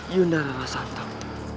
yunda rara santang